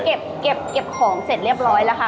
เก็บของเสร็จเรียบร้อยแล้วค่ะ